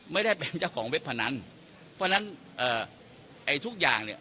ไม่ได้เป็นเจ้าของเว็บพนันเพราะฉะนั้นเอ่อไอ้ทุกอย่างเนี่ย